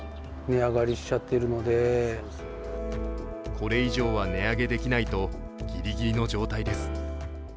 これ以上は値上げできないとギリギリの状態です。